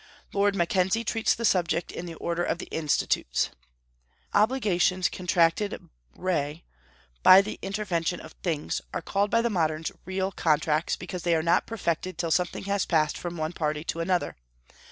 Lord Mackenzie treats the subject in the order of the Institutes: "Obligations contracted re by the intervention of things are called by the moderns real contracts, because they are not perfected till something has passed from one party to another.